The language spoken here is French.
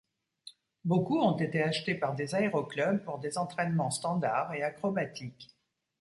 Beaucoup ont été achetés par des aéroclubs pour des entraînements standard et acrobatiques.